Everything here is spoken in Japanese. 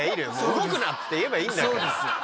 「動くな」って言えばいいんだから。